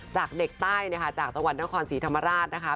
จากเด็กใต้นะคะจากจังหวัดนครศรีธรรมราชนะคะ